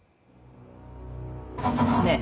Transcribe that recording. ねえ。